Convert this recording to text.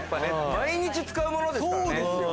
毎日使うものですからね。